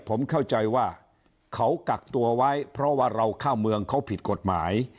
ผมเข้าใจว่าเขากักตัวไว้เพราะว่าเราเข้าเมืองเขาผิดกฎหมาย